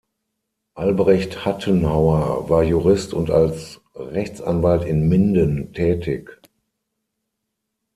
Albrecht Hattenhauer war Jurist und als Rechtsanwalt in Minden tätig.